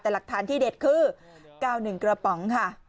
แต่หลักฐานที่เด็ดคือเก้าหนึ่งกระป๋องค่ะ